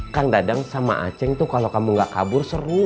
kang dadang sama aceh tuh kalau kamu gak kabur seru